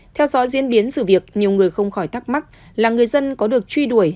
theo dõi diễn biến sự việc nhiều người không khỏi thắc mắc là người dân có được truy đuổi